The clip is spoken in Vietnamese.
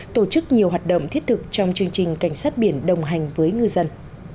tổ chức nhiều hoạt động thiết thực trong chương trình cảnh sát biển đồng hành với ngư dân